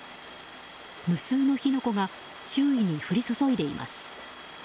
無数の火の粉が周囲に降り注いでいます。